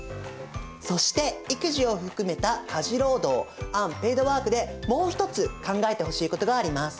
そして育児を含めた家事労働アンペイドワークでもう一つ考えてほしいことがあります。